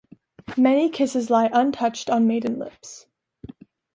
Many kisses lie untouched on maiden lips.